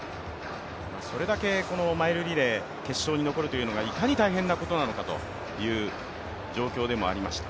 それだけマイルリレー、決勝に残るというのがいかに大変なことなのかという状況でもありました。